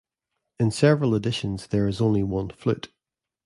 In several editions there is only one flute.